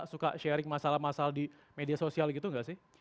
suka sharing masalah masalah di media sosial gitu nggak sih